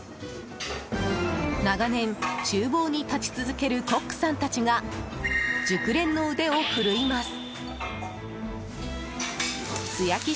長年厨房に立ち続けるコックさんたちが熟練の腕を振るいます。